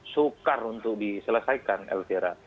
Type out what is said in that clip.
sukar untuk diselesaikan elvira